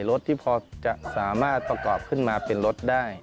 รถที่พอจะสามารถประกอบขึ้นมาเป็นรถได้